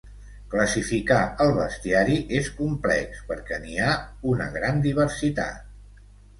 Classificar el bestiari és complex, perquè n'hi ha una gran diversitat.